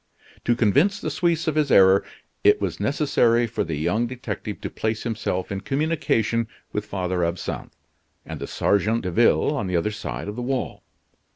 To convince the Suisse of his error it was necessary for the young detective to place himself in communication with Father Absinthe and the sergeant de ville on the other side of the wall.